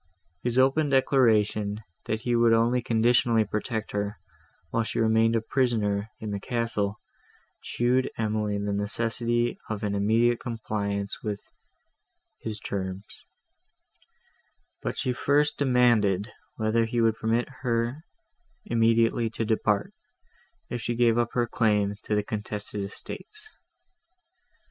His open declaration, that he would only conditionally protect her, while she remained a prisoner in the castle, showed Emily the necessity of an immediate compliance with his terms; but she first demanded, whether he would permit her immediately to depart, if she gave up her claim to the contested estates.